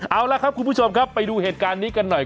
เอาละครับคุณผู้ชมครับไปดูเหตุการณ์นี้กันหน่อย